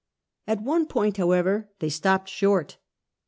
At one point however they stopped short.